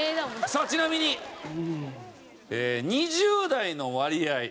さあちなみに２０代の割合